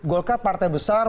golkar partai besar